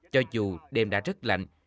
cho dù đêm đã rất lạnh